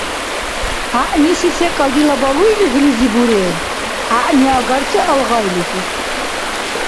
– ГӀягӀниси секӀал дила балуй лихӀилизи бурен. ГӀягӀниагарси – алгъайлизи.